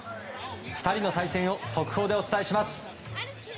２人の対戦を速報でお伝えします。